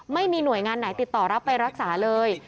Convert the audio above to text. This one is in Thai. ไม่มีหน่วยงานไหนติดต่อรับไปรักษาเลย